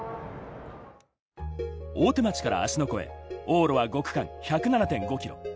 大手町から芦ノ湖へ、往路は５区間１０７．５ｋｍ。